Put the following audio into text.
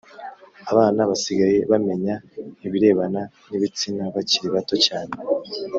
Abana basigaye bamenya ibirebana n ibitsina bakiri bato cyane